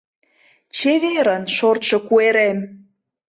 Чеверын, шортшо куэрем!